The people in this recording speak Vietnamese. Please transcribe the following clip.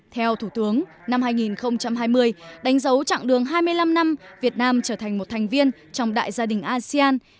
theo thủ tướng năm hai nghìn hai mươi đánh dấu chặng đường hai mươi năm năm việt nam trở thành một thành viên trong đại gia đình asean